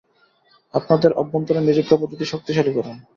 আপনাদের অভ্যন্তরীণ নিরীক্ষাপদ্ধতি শক্তিশালী করুন।